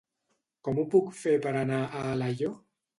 Com ho puc fer per anar a Alaior?